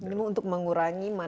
ini untuk mengurangi